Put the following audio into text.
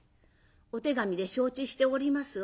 お手紙で承知しておりますわ。